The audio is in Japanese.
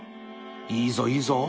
いいぞいいぞ。